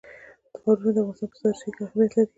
ښارونه د افغانستان په ستراتیژیک اهمیت کې دي.